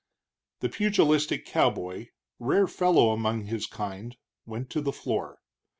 The pugilistic cowboy, rare fellow among his kind, went to the floor.